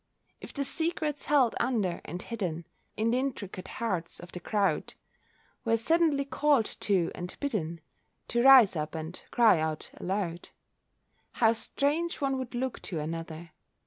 If the secrets held under and hidden In the intricate hearts of the crowd Were suddenly called to, and bidden To rise up and cry out aloud, How strange one would look to another!